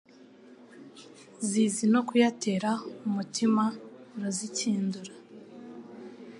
Zizi no kuyatera Umutima urazikindura